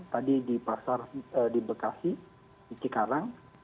tadi di pasar di bekasi di cikarang